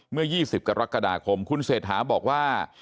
เมื่อ๒๐กรกฎาคมคุณเศรษฐาบอกว่า